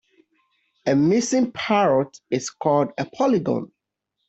A missing parrot is called a polygon.